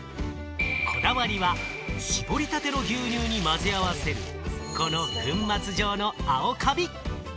こだわりは、搾りたての牛乳に混ぜ合わせる、この粉末状の青カビ。